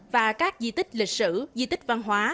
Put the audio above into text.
và các di tích lịch sử di tích văn hóa